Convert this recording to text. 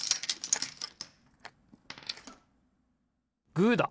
グーだ！